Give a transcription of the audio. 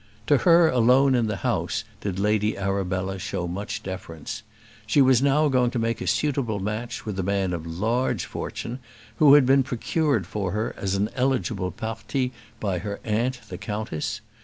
To her alone in the house did Lady Arabella show much deference. She was now going to make a suitable match with a man of large fortune, who had been procured for her as an eligible parti by her aunt, the countess.